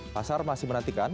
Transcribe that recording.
pasar masih menantikan